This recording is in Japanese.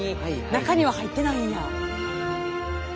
中には入ってないんや。